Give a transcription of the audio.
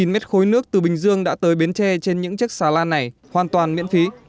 một mươi mét khối nước từ bình dương đã tới bến tre trên những chiếc xà lan này hoàn toàn miễn phí